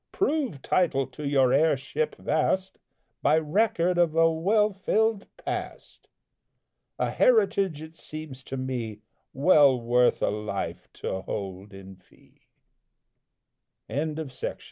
Prove title to your heirship vast, By record of a well filled past! A heritage, it seems to me, Well worth a life to hold in fee. JAMES RUSSELL LOWELL.